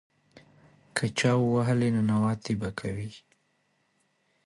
که چا ووهې، ننواتې به کوې.